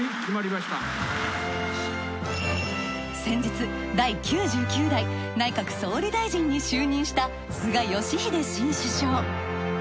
先日第９９代内閣総理大臣に就任した菅義偉新首相。